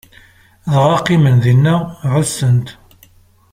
Dɣa qqimen dinna, ɛussen-t.